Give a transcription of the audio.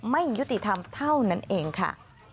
ไม่ยุติธรรมเท่านั้นเองค่ะ